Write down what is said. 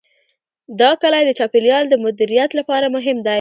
دا کلي د چاپیریال د مدیریت لپاره مهم دي.